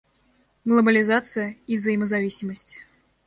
Глобализация и взаимозависимость.